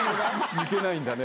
抜けないんだね。